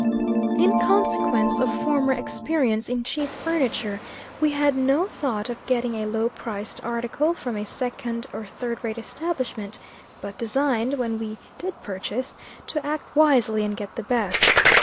In consequence of former experience in cheap furniture, we had no thought of getting a low priced article from a second or third rate establishment; but designed, when we did purchase, to act wisely and get the best.